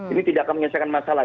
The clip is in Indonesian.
ini tidak akan menyelesaikan masalah